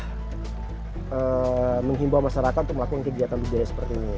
tidak mudah menimbau masyarakat untuk melakukan kegiatan budidaya seperti ini